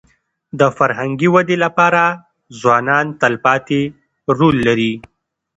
د فرهنګي ودي لپاره ځوانان تلپاتې رول لري.